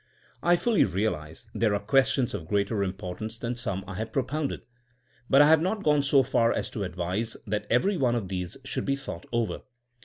I fully realize there are questions of greater importance than some I have pro pounded. But I have not gone so far as to ad vise that every one of these should be thought over.